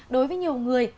đối với nhiều người